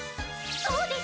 そうです。